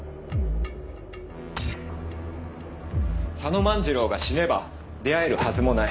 佐野万次郎が死ねば出会えるはずもない。